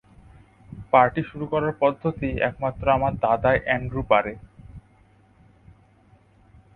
Party শুরু করার পদ্ধতি একমাত্র আমার দাদা অ্যান্ড্রু পারে।